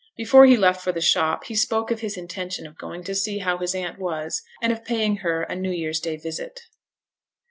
Before he left for the shop, he spoke of his intention of going to see how his aunt was, and of paying her a new year's day visit.